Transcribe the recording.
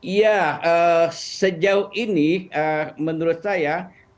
ya sejauh ini menurut saya